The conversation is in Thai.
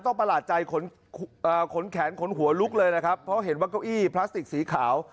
ประหลาดใจขนแขนขนหัวลุกเลยนะครับเพราะเห็นว่าเก้าอี้พลาสติกสีขาว